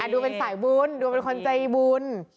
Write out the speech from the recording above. ดูเป็นสายบุญดูเป็นคนใจบุญ